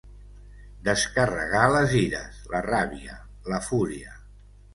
Descarregar les ires, la ràbia, la fúria.